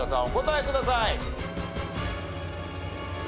お答えください。